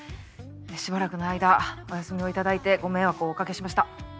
しばらくの間お休みを頂いてご迷惑をおかけしました。